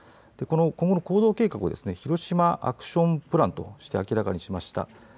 今後の行動計画をヒロシマ・アクション・プランとして明らかにしました。